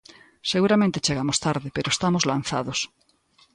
Seguramente chegamos tarde, pero estamos lanzados.